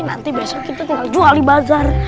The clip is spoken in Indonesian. nanti besok kita tinggal jual di bazar